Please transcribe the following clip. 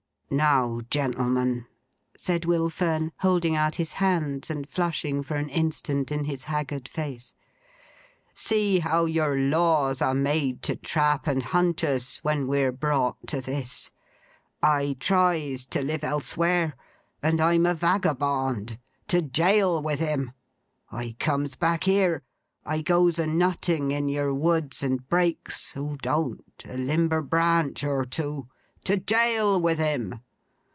'Now, gentlemen,' said Will Fern, holding out his hands, and flushing for an instant in his haggard face, 'see how your laws are made to trap and hunt us when we're brought to this. I tries to live elsewhere. And I'm a vagabond. To jail with him! I comes back here. I goes a nutting in your woods, and breaks—who don't?—a limber branch or two. To jail with him!